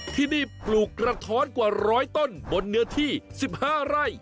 ที่นี่ปลูกกระถอนกว่าร้อยต้นบนเนื้อที่สิบห้าไร่